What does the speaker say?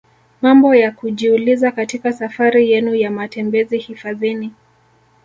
Mambo ya kujiuliza katika safari yenu ya matembezi hifadhini